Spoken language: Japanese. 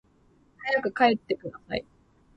早く帰ってください